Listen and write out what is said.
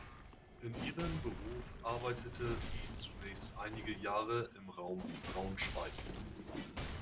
In ihrem Beruf arbeitete sie zunächst einige Jahre im Raum Braunschweig.